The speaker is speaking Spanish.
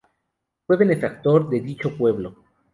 Fue benefactor de dicho pueblo.